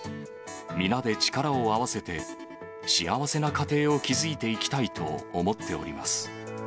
皆で力を合わせて、幸せな家庭を築いていきたいと思っております。